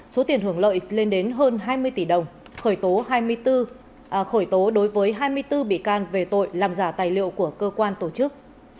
số tiền hưởng lợi lên đến hơn hai mươi tỷ đồng khởi tố đối với hai mươi bốn bị can về tội làm giả tài liệu của cơ quan tổ chức